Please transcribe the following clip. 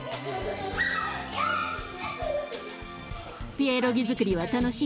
ピエロギづくりは楽しい？